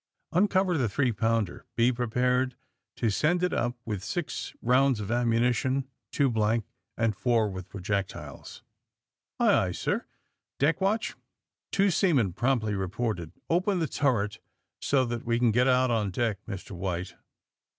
*'Uncover tlie three pounder. Be prepared to ©end it np, with six rounds of ammunition two blank and four with projectile!'* ^*Aye, aye, sir." *'Deck watch f Two seaman promptly reported. Open the turret so that we can get out on deck. Mr. White!''